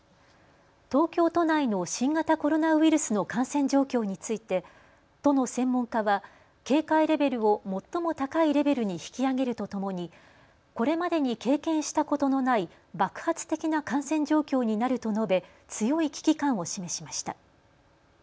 東京都内の新型コロナウイルスの感染状況について都の専門家は警戒レベルを最も高いレベルに引き上げるとともに、これまでに経験したことのない爆発的な感染状況になると述べ強い危機感を示しました。